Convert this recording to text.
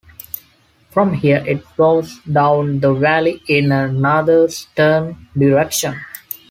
From here it flows down the valley in a northeastern direction.